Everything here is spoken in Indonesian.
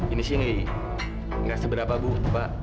ini sih nih gak seberapa bu pak